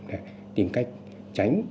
để tìm cách tránh